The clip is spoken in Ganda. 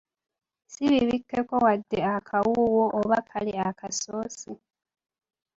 Si bibikekko wadde akawuuwo oba kale akasoosi!